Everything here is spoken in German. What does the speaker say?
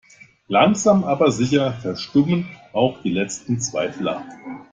Langsam aber sicher verstummen auch die letzten Zweifler.